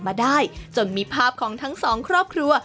มาได้จนมีภาพของทั้งสองครอบครัว